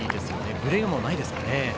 ぶれもないですからね。